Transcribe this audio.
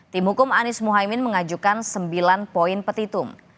tim hukum anies mohaimin mengajukan sembilan poin petitum